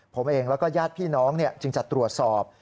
ผมเองแล้วก็ญาติพี่น้องจึงจะตรวจสอบ